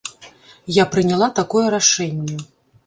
Я прыняла такое рашэнне.